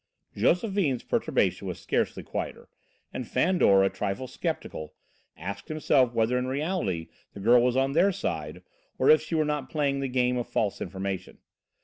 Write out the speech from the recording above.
Josephine's perturbation was scarcely quieter, and Fandor, a trifle skeptical, asked himself whether in reality the girl was on their side or if she were not playing the game of false information.